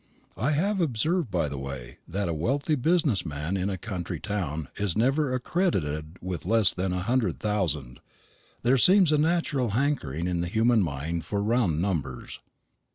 I have observed, by the way, that a wealthy tradesman in a country town is never accredited with less than a hundred thousand; there seems a natural hankering in the human mind for round numbers.